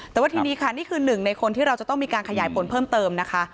แต่ว่าทีนี้ค่ะนี่คือหนึ่งในคนที่เราจะต้องมีการขยายผลเพิ่มเติมนะคะ